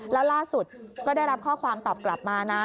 แล้วล่าสุดก็ได้รับข้อความตอบกลับมานะ